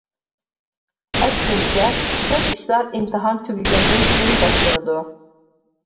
ئەكسىنچە، كۆپ ئىشلار ئىمتىھان تۈگىگەندىن كىيىن باشلىنىدۇ.